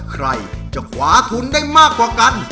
ใครจะขวาทุนได้มากกว่ากัน